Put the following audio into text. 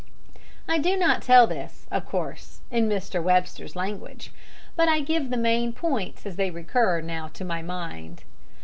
I do not tell this, of course, in Mr. Webster's language, but I give the main points as they recur now to my mind.